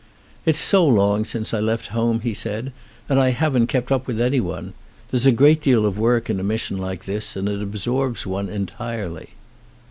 "It's so long since I left home," he said, "and I haven't kept up with anyone. There's a great deal of work in a mission like this and it absorbs one entirely."